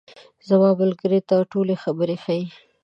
زما ملګري ته ټولې خبرې ښیې.